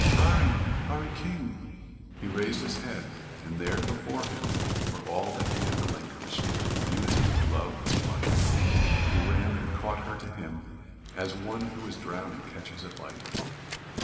"'Arry! 'Arry King!" He raised his head, and there before him were all that he had relinquished youth, love, life. He ran and caught her to him, as one who is drowning catches at life.